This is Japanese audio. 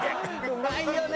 うまいよね！